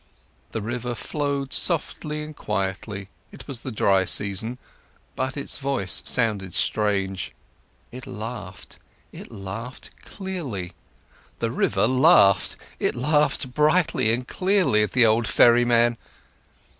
The river flowed softly and quietly, it was the dry season, but its voice sounded strange: it laughed! It laughed clearly. The river laughed, it laughed brightly and clearly at the old ferryman.